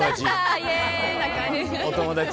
お友達。